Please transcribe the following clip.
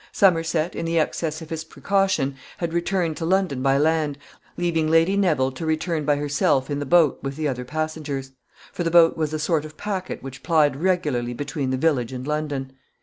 Somerset, in the excess of his precaution, had returned to London by land, leaving Lady Neville to return by herself in the boat with the other passengers; for the boat was a sort of packet which plied regularly between the village and London.